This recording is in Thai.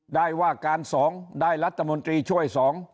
ได้ว่าการ๒ได้รัฐมนตรีช่วย๒